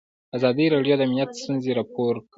ازادي راډیو د امنیت ستونزې راپور کړي.